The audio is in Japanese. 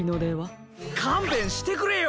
かんべんしてくれよ。